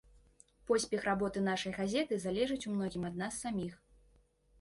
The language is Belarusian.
Поспех работы нашай газеты залежыць у многім ад нас саміх.